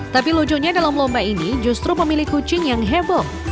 tapi lucunya dalam lomba ini justru memilih kucing yang heboh